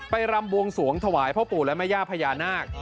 รำบวงสวงถวายพ่อปู่และแม่ย่าพญานาค